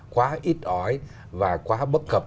quá ít ỏi và quá bất cập